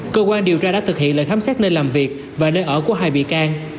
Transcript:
cơ quan điều tra đã thực hiện lệnh khám xét nơi làm việc và nơi ở của hai bị can